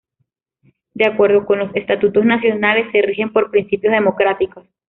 De acuerdo con los Estatutos Nacionales, "se rigen por principios democráticos".